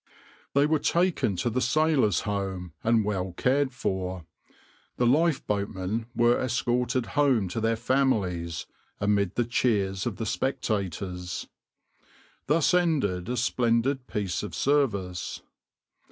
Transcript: "}}}} \end{minipage} \hfill{} \end{figure} They were taken to the Sailors' Home, and well cared for; the lifeboatmen were escorted home to their families amid the cheers of the spectators. Thus ended a splendid piece of service.